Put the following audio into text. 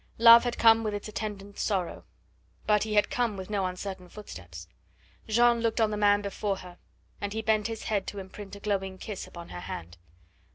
Love had come with its attendant, Sorrow; but he had come with no uncertain footsteps. Jeanne looked on the man before her, and he bent his head to imprint a glowing kiss upon her hand.